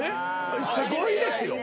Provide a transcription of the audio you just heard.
すごいですよ。